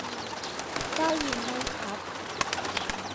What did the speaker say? ได้ยินไม่ชัด !